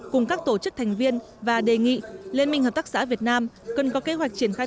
cùng các tổ chức thành viên và đề nghị liên minh hợp tác xã việt nam cần có kế hoạch triển khai